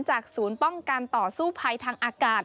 ศูนย์ป้องกันต่อสู้ภัยทางอากาศ